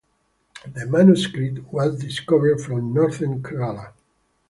The manuscript was discovered from northern Kerala.